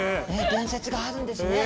伝説があるんですね。